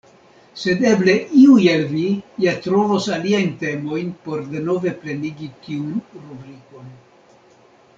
Sed eble iuj el vi ja trovos aliajn temojn, por denove plenigi tiun rubrikon.